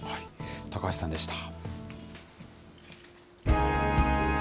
高橋さんでした。